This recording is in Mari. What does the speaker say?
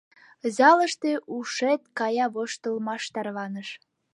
Залыште ушет кая воштылмаш тарваныш.